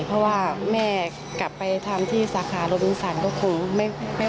เพราะว่าแม่กลับไปทำที่สาขาโรบินสันก็คงไม่